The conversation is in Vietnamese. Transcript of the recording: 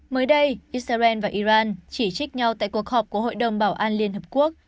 mới đây israel và iran chỉ trích nhau tại cuộc họp của hội đồng bảo an liên hợp quốc